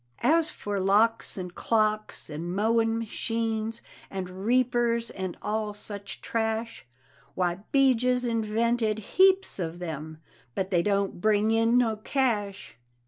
As for locks and clocks, and mowin' machines, and reapers, and all such trash, Why, 'Bijah's invented heaps of them, but they don't bring in no cash!